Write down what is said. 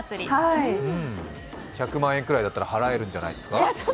１００万円ぐらいだったら払えるんじゃないですか？